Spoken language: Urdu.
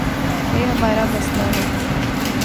یہ ہمار امسئلہ ہے۔